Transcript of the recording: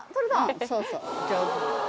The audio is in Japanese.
そうそう上手。